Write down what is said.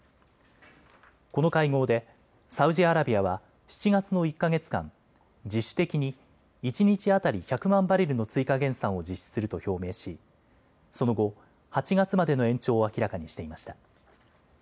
この会合でサウジアラビアは７月の１か月間、自主的に一日当たり１００万バレルの追加減産を実施すると表明し、その後、８月までの延長を明らかにしていました。